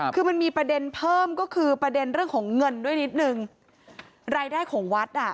คือมันมีประเด็นเพิ่มก็คือประเด็นเรื่องของเงินด้วยนิดนึงรายได้ของวัดอ่ะ